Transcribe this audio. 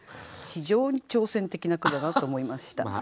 非常に挑戦的な句だなと思いました。